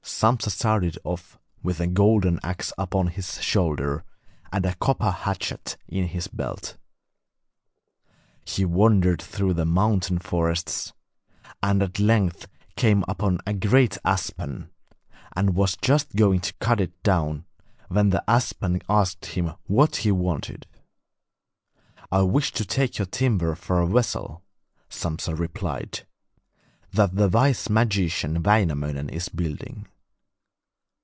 Sampsa started off with a golden axe upon his shoulder and a copper hatchet in his belt. He wandered through the mountain forests, and at length came upon a great aspen, and was just going to cut it down, when the aspen asked him what he wanted. 'I wish to take your timber for a vessel,' Sampsa replied, 'that the wise magician Wainamoinen is building.'